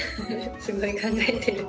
すごい考えてる。